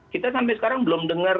kita sampai sekarang belum dengar